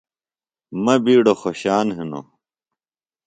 مہ بِیڈوۡ خوشان ہِنوۡ۔